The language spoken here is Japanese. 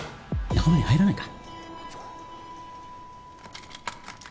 仲間に入らないか？